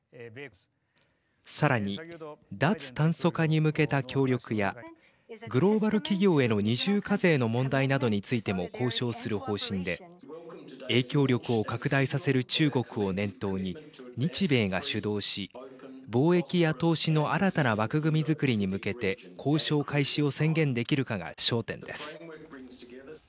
さらに、脱炭素化に向けた協力やグローバル企業への二重課税の問題などについても交渉する方針で影響力を拡大させる中国を念頭に日米が主導し貿易や投資の新たな枠組みづくりに向けて交渉開始を宣言できるかが焦点です。